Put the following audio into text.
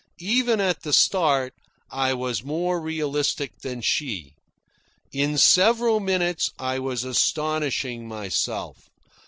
Even at the start, I was more realistic than she. In several minutes I was astonishing myself.